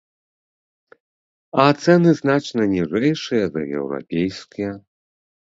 А цэны значна ніжэйшыя за еўрапейскія.